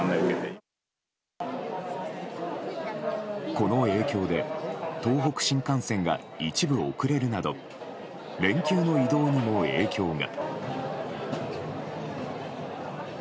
この影響で東北新幹線が一部遅れるなど連休の移動にも影響が。